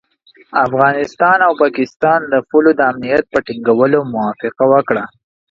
افغانستان او پاکستان د پولو د امنیت په ټینګولو موافقه وکړه.